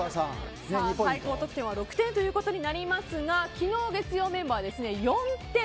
最高得点は６点ということになりますが昨日、月曜メンバー４点。